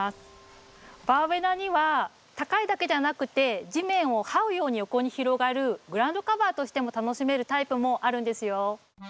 バーベナには高いだけじゃなくて地面を這うように横に広がるグラウンドカバーとしても楽しめるタイプもあるんですよ。